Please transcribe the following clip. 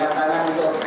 selamat ulang tahun